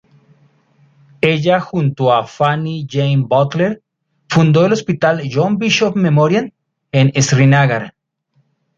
Ella junto a Fanny Jane Butler fundó el hospital John Bishop Memorial en Srinagar.